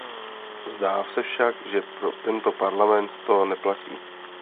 Zdá se však, že pro tento Parlament to neplatí.